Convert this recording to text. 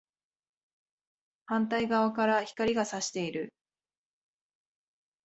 反対側から光が射している